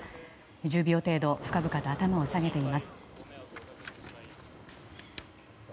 １０秒程度深々と頭を下げています。